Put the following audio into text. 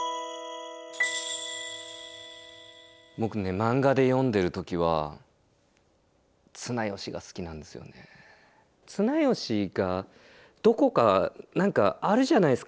漫画で読んでる時は綱吉がどこか何かあるじゃないですか